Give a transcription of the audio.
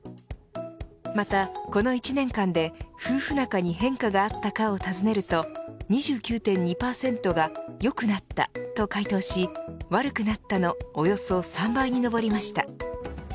また、この１年間で夫婦仲に変化があったかを尋ねると２９．２％が良くなったと回答し悪くなったのおよそ３倍に上りました。